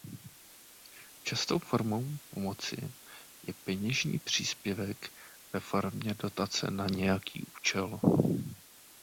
Častou formou pomoci je peněžní příspěvek ve formě dotace na nějaký účel.